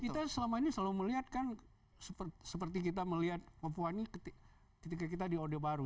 kita selama ini selalu melihat kan seperti kita melihat papua ini ketika kita di orde baru